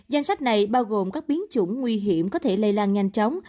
danh sách này bao gồm các biến chủng nguy hiểm có thể lây lan nhanh chóng